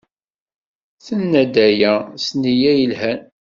Tenna-d aya s nneyya yelhan.